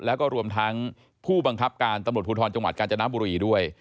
แล้วก็รวมทั้งผู้บังคับการตำรวจภูทรจังหวัดกาญจนบุรีด้วย